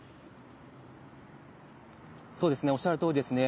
そうですね、おっしゃるとおりですね。